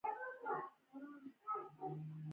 دا تصور يو کس ته د ليدلو وړتيا ورکوي.